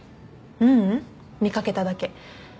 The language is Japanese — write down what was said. ううん見掛けただけ。